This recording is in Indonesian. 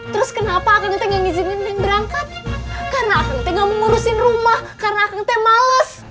terus kenapa akang teh gak ngizinin eneng berangkat karena akang teh gak mau ngurusin rumah karena akang teh males